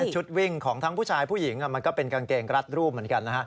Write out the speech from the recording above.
ชุดวิ่งของทั้งผู้ชายผู้หญิงมันก็เป็นกางเกงรัดรูปเหมือนกันนะฮะ